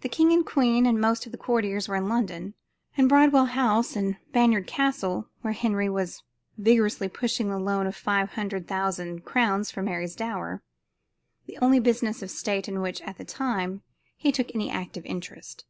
The king and queen and most of the courtiers were in London at Bridewell House and Baynard's Castle where Henry was vigorously pushing the loan of five hundred thousand crowns for Mary's dower, the only business of state in which, at that time, he took any active interest.